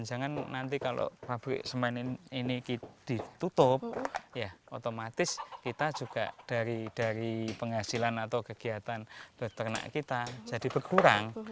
jadi kalau pabrik semen ini ditutup ya otomatis kita juga dari penghasilan atau kegiatan peternak kita jadi berkurang